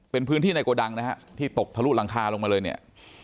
เป็นพื้นที่ในโกดังนะฮะที่ตกทะลุหลังคาลงมาเลยเนี่ย